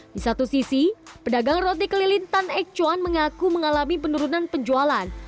di satu sisi pedagang roti keliling tan ecuan mengaku mengalami penurunan penjualan